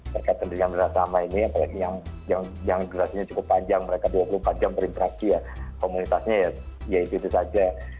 terkait pendidikan sama ini apalagi yang durasinya cukup panjang mereka dua puluh empat jam berinteraksi ya komunitasnya ya itu itu saja